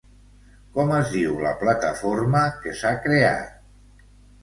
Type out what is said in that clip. Com es diu la plataforma que s'ha creat?